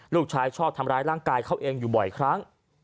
ลูกชายชอบทำร้ายร่างกายเขาเองอยู่บ่อยครั้ง